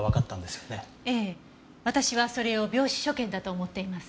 ええ私はそれを病死所見だと思っています。